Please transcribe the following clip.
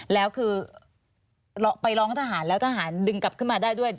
แล้วคือไปร้องทหารแล้วทหารดึงกลับขึ้นมาได้ด้วย